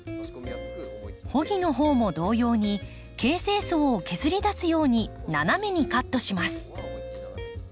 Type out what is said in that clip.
穂木のほうも同様に形成層を削り出すように斜めにカットします。